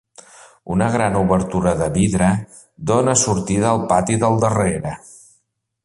Una gran obertura de vidre dóna sortida al pati del darrere.